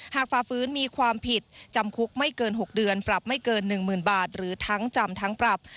ฝ่าฟื้นมีความผิดจำคุกไม่เกิน๖เดือนปรับไม่เกิน๑๐๐๐บาทหรือทั้งจำทั้งปรับ